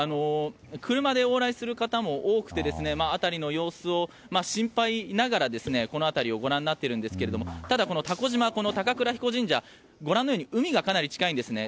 車で往来する方も多くて辺りの様子を、心配しながらこの辺りをご覧になっているんですけれども。ただ蛸島、高倉彦神社海がかなり近いんですね。